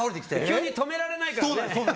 急に止められないからね。